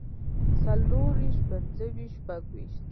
څلورويشت پنځويشت شپږويشت